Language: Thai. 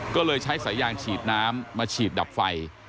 ก็เลยใช้สายยางฉีดน้ำมาฉีดดับไฟ